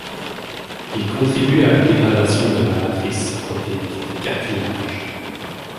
Il contribue à la dégradation de la matrice protéique des cartilages.